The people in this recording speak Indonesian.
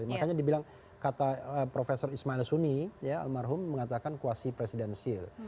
makanya dibilang kata profesor ismail suni ya almarhum mengatakan quasi presidensil